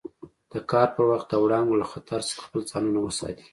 د کار پر وخت د وړانګو له خطر څخه خپل ځانونه وساتي.